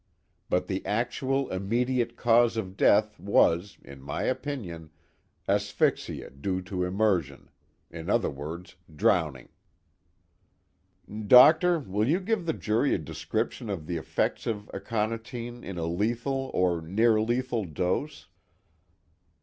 But the actual immediate cause of death was, in my opinion, asphyxia due to immersion, in other words drowning." "Doctor, will you give the jury a description of the effects of aconitine in a lethal or near lethal dose?"